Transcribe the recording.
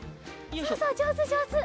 そうそうじょうずじょうず！